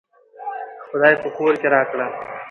خداى په کور کې راکړه